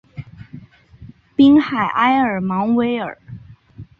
滨海埃尔芒维尔。